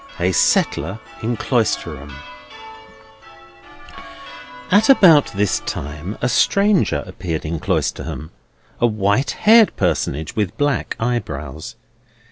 A SETTLER IN CLOISTERHAM At about this time a stranger appeared in Cloisterham; a white haired personage, with black eyebrows.